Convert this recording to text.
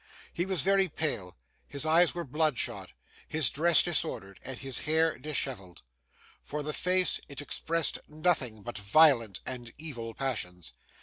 He was very pale, his eyes were bloodshot, his dress disordered, and his hair dishevelled. For the face, it expressed nothing but violent and evil passions.